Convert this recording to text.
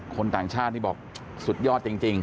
คนต่างชาตินี่บอกสุดยอดจริง